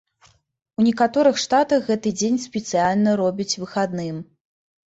У некаторых штатах гэты дзень спецыяльна робяць выхадным.